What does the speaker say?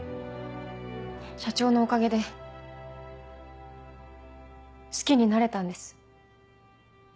社長のおかげで好きになれたんです。